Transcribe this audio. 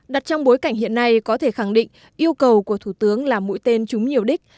đặt trong bối cảnh hiện nay có thể khẳng định yêu cầu của thủ tướng là mũi tên chúng nhiều đích